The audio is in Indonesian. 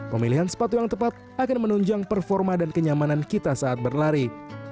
pemilihan sepatu yang tepat akan menunjang performa dan kenyamanan kita saat berlari